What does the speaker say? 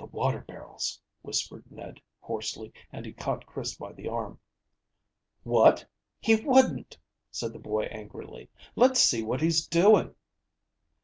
"The water barrels," whispered Ned hoarsely, and he caught Chris by the arm. "What! He wouldn't," said the boy angrily. "Let's see what he's doing."